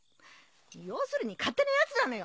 要するに勝手な奴なのよ！